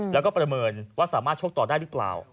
แล้วก็ประเมินว่าสามารถชกต่อได้หรือเปล่า